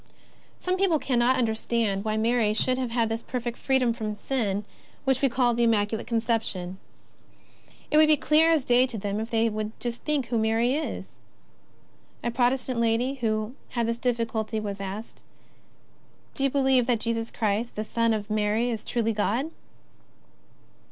Some people cannot understand why Mary should have had this perfect freedom from sin which we call the Immaculate Conception. It would be clear as day to them if they would think who ^lary is. A Protes ' tant lady, who had this difficulty, was asked: " Do you believe that Jesus Christ the Son of Mary is truly God